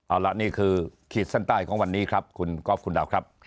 เอาละนี่คือขีดเส้นใต้ของวันนี้ครับคุณก๊อฟคุณดาวครับ